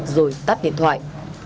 rồi tắt điện thoại